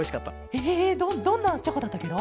ええどどんなチョコだったケロ？